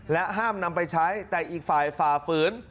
ห้ามนำไปใช้แต่อีกฝ่ายฝ่าฝืน